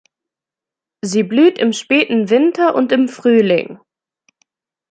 Sie blüht im späten Winter und im Frühling.